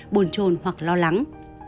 bồn trồn hoặc lo lắng